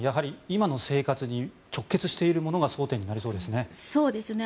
今の生活に直結しているものが争点になりそうですね。